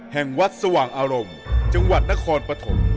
แห่งวัดสว่างอารมณ์จังหวัดนครปฐม